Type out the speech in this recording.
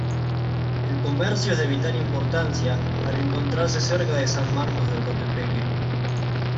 El comercio es de vital importancia al encontrarse cerca de San Marcos de Ocotepeque.